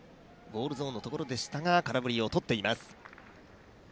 ボールゾーンのところでしたが空振りをとっています。